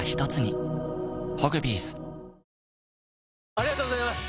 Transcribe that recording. ありがとうございます！